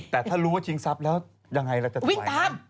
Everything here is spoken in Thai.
แต่ถ้ารู้ว่าจริงทรัพย์แล้วยังไงล่ะจะต่อไปนะวิ่งตาม